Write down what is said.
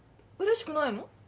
うれしくないの？